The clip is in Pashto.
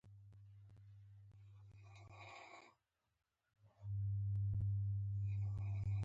دوی خپله دفاع به کوي.